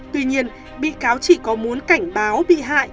tuy nhiên bị cáo chỉ có muốn cảnh báo bị hại